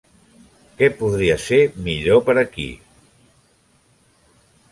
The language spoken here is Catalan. Què podria ser millor per aquí?